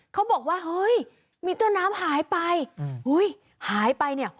เขาบอกว่าเฮ้ยมีต้นน้ำหายไปอุ้ยหายไปเนี่ย